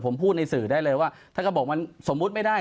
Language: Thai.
ผมพูดในสื่อได้เลยว่าถ้าเขาบอกมันสมมุติไม่ได้